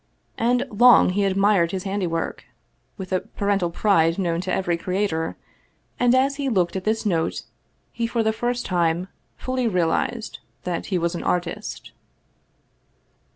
And long he admired his handiwork, with the parental pride known to every creator, and as he looked at this note he for the first time fully realized that he was an artist.